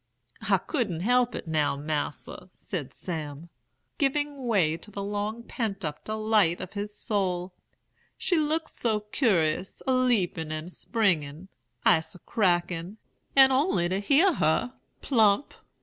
"'I couldn't help it now, Mas'r,' said Sam, giving way to the long pent up delight of his soul. 'She looked so curis, a leapin' and springin'; ice a crackin' and only to hear her! plump!